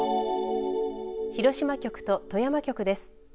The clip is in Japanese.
広島局と富山局です。